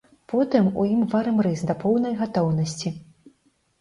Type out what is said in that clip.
Потым у ім варым рыс да поўнай гатоўнасці.